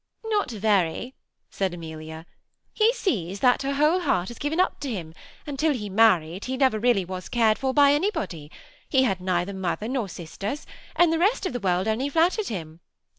Not very," said Amelia; "he sees that her whole heart is given up to him ; and till he married, he never was really cared for by anybody. He had neither mother nor sisters ; and the rest of the world only flat tered him.